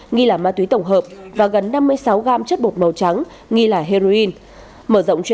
nghi là ma túy tổng hợp và gần năm mươi sáu gam chất ma túy